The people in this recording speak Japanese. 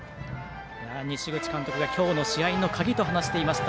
西口監督が今日の試合の鍵と話していました